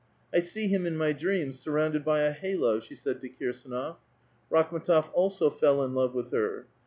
*' I see him in my dreams suiTounded by a halo," she said to Kirsdnof. Rakhm^tof also fell in love with her.